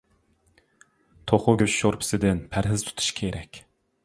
توخۇ گۆشى شورپىسىدىن پەرھىز تۇتۇش كېرەك.